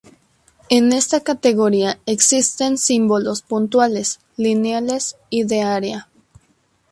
En esta categoría existen símbolos puntuales, lineales y de área.